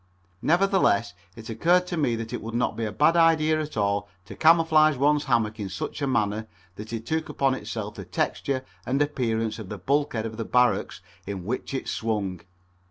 Nevertheless it occurred to me that it would not be a bad idea at all to camouflage one's hammock in such a manner that it took upon itself the texture and appearance of the bulkhead of the barracks in which it was swung.